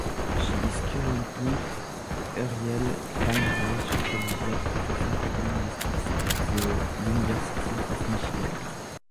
She is currently Uriel Weinreich Collegiate Professor of Linguistics at the University of Michigan.